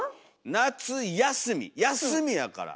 夏休み「休み」やから。